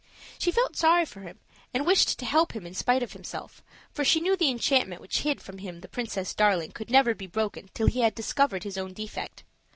She felt sorry for him and wished to help him in spite of himself, for she knew the enchantment which hid from him the Princess Darling could never be broken till he had discovered his own defect.